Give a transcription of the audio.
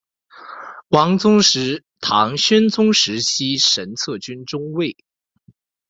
王宗实唐宣宗时期神策军中尉。